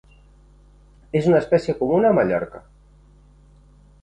És una espècie comuna a Mallorca.